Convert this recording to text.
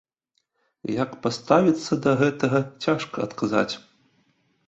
Як паставіцца да гэтага, цяжка адказаць.